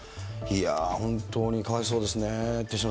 本当にかわいそうですね。